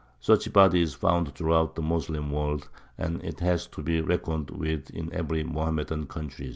Such a body is found throughout the Moslem world, and it has to be reckoned with in every Mohammedan country.